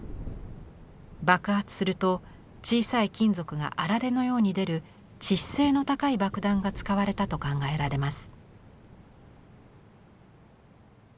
爆発すると小さい金属があられのように出る致死性の高い爆弾が使われたと考えられます。